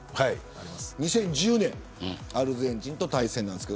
２０１０年アルゼンチンと対戦しました。